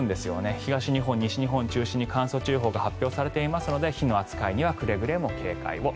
東日本、西日本を中心に乾燥注意報が発表されていますので火の扱いにはくれぐれも警戒を。